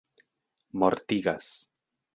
mortigas